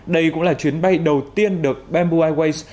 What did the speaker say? đây cũng là chuyến bay đầu tiên được bamboo airways